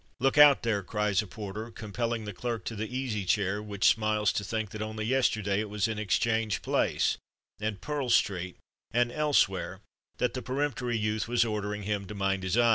"Look out, there!" cries a porter compelling clerk to the Easy Chair, which smiles to think that only yesterday it was in Exchange Place, and Pearl Street, and elsewhere that the peremptory youth was ordering him to mind his eye.